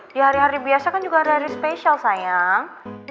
di hari hari biasa kan juga hari hari spesial sayang